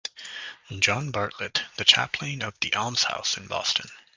John Bartlett, the Chaplain of the Almshouse in Boston.